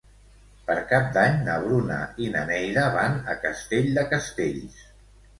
Per Cap d'Any na Bruna i na Neida van a Castell de Castells.